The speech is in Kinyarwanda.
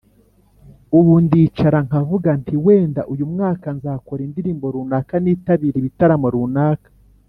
Ubu ndicara nkavuga nti ‘wenda uyu mwaka nzakora indirimbo runaka nitabire ibitaramo runaka’